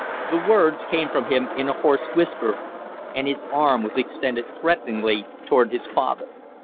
The words came from him in a hoarse whisper and his arm was extended threateningly toward his father.